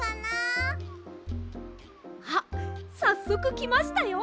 あっさっそくきましたよ！